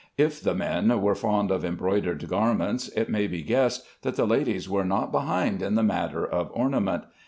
If the men were fond of embroidered garments, it may be guessed that the ladies were not behind in the matter of ornament.